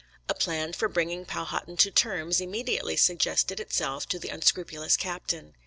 A plan for bringing Powhatan to terms immediately suggested itself to the unscrupulous captain.